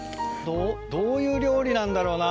どういう料理なんだろうな？